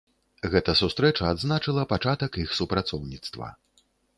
Гэта сустрэча адзначыла пачатак іх супрацоўніцтва.